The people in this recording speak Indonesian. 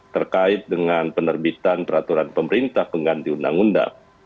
terkait dengan penerbitan peraturan pemerintah pengganti undang undang